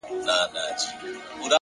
پرمختګ د دوامداره زده کړې محصول دی.!